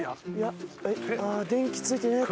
ああ電気ついてないか。